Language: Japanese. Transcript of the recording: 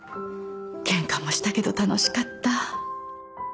ケンカもしたけど楽しかった。